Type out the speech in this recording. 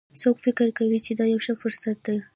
څوک فکر کوي چې دا یوه ښه فرصت ده